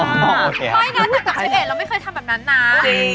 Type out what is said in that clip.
ป่อยน้ะแต่กับเชฟเอ๋เราไม่เคยทำแบบนั้นน่า